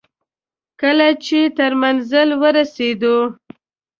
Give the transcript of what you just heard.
کله چې تر منزل ورسېدو.